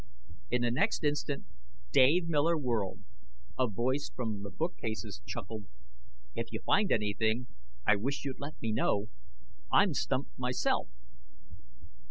In the next instant, Dave Miller whirled. A voice from the bookcases chuckled: "If you find anything, I wish you'd let me know. I'm stumped myself!"